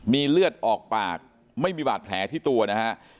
มีเลือดออกปากไม่มีบาดแผลที่ตัวนะฮะ